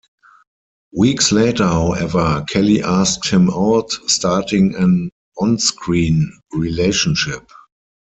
Weeks later, however, Kelly asked him out, starting an on-screen relationship.